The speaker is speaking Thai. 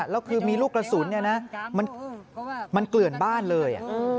แล้วคือมีลูกกระสุนมันเกลื่อนบ้านเลย